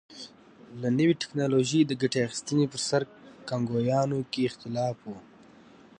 له نوې ټکنالوژۍ د ګټې اخیستنې پر سر کانګویانو کې اختلاف و.